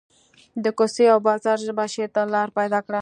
د کوڅې او بازار ژبه شعر ته لار پیدا کړه